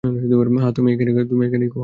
হ্যাঁঁ তুমি এখানেই ঘুমাবে।